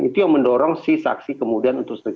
itu yang mendorong si saksi kemudian untuk setuju